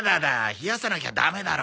冷やさなきゃダメだろ。